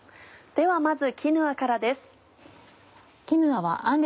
ではまずキヌアからです。